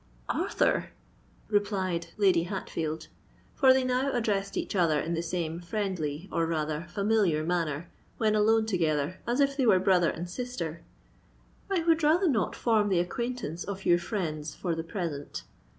"Arthur," replied Lady Hatfield—for they now addressed each other in the same friendly, or rather familiar manner, when alone together, as if they were brother and sister—"I would rather not form the acquaintance of your friends for the present."